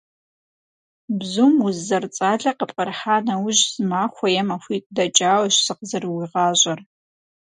Бзум уз зэрыцӏалэ къыпкърыхьа нэужь, зы махуэ е махуитӏ дэкӏауэщ зыкъызэрыуигъащӏэр.